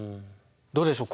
どうでしょう？